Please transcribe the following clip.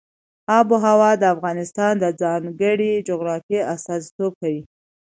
آب وهوا د افغانستان د ځانګړي جغرافیه استازیتوب کوي.